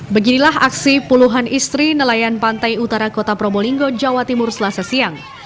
beginilah aksi puluhan istri nelayan pantai utara kota probolinggo jawa timur selasa siang